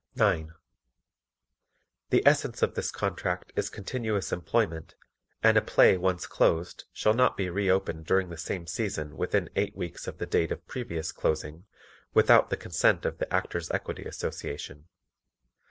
9. The essence of this contract is continuous employment and a play once closed shall not be re opened during the same season within eight weeks of the date of previous closing, without the consent of the Actors' Equity Association.